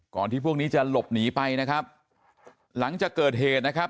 ที่พวกนี้จะหลบหนีไปนะครับหลังจากเกิดเหตุนะครับ